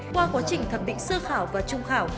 qua quá trình thẩm định sơ khảo và trung khảo